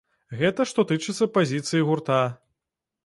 Гэта што тычыцца пазіцыі гурта.